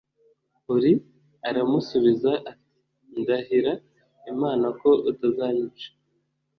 Uri Aramusubiza ati ndahira Imana ko utazanyica